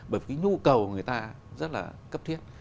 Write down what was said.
bởi vì nhu cầu người ta rất là cấp thiết